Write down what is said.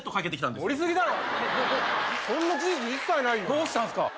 どうしたんすか？